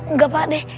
nggak pak d